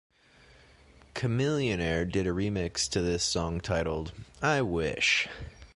Chamillionaire did a remix to this song titled "I Wish".